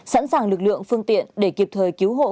sẵn sàng lực lượng phương tiện để kịp thời cứu hộ